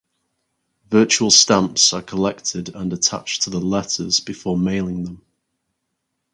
Virtual stamps are collected and attached to the "letters" before mailing them.